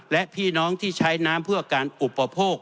และพี่น้องที่ใช้น้ำเพื่อการอุปโภค